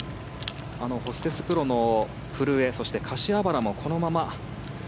ホステスプロの古江柏原もこのまま。